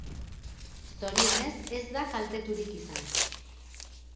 Zorionez, ez da kalteturik izan.